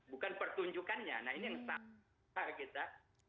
bukan pertunjukannya nah ini yang salah kita